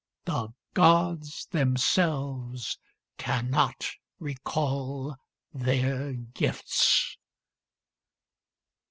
'The Gods themselves cannot recall their gifts.'